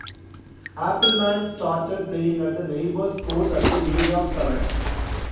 Appelmans started playing at the neighbour's court at the age of seven.